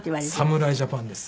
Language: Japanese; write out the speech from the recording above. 侍ジャパンです。